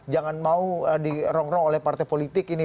jangan mau dirong rong oleh partai politik ini